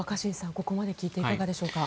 ここまで聞いていかがでしょうか。